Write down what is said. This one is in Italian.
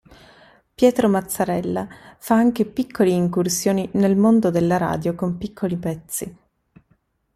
Piero Mazzarella fa anche piccoli incursioni nel mondo della radio con piccoli pezzi.